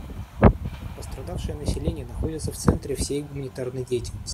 Пострадавшее население находится в центре всей гуманитарной деятельности.